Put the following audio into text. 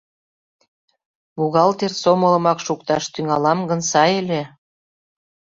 Бухгалтер сомылымак шукташ тӱҥалам гын, сай ыле.